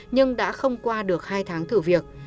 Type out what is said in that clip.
nhưng đã không qua được hai tháng thử việc